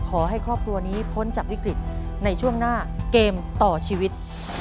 ขอให้ครอบครัวนี้พ้นจากวิกฤตในช่วงหน้าเกมต่อชีวิต